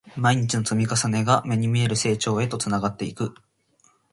毎日の積み重ねが、目に見える成長へとつながっていく